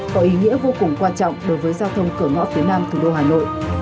có ý nghĩa vô cùng quan trọng đối với giao thông cửa ngõ phía nam thủ đô hà nội